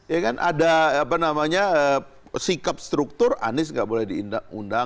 ya kan ada apa namanya sikap struktur anies nggak boleh diundang